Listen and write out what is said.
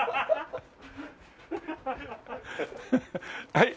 はい！